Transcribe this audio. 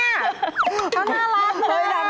แค่น่ารักน่ะ